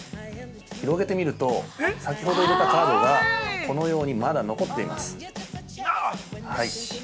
広げてみると、先ほど入れたカードが、このようにまだ残っています。